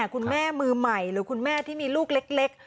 คุณแม่มือใหม่หรือคุณแม่ที่มีลูกเล็ก